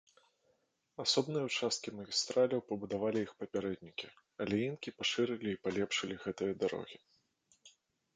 Асобныя ўчасткі магістраляў пабудавалі іх папярэднікі, але інкі пашырылі і палепшылі гэтыя дарогі.